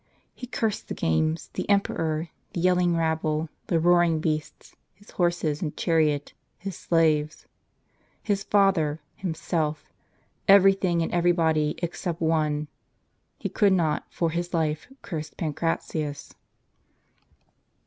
He cursed the games, the emperor, the yelling rabble, the roaring beasts, his horses and chariot, his slaves. o his father, himself, — every thing and every body except one he could not, for his life, curse Pancratius.